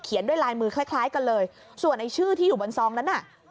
ด้วยลายมือคล้ายกันเลยส่วนไอ้ชื่อที่อยู่บนซองนั้นน่ะ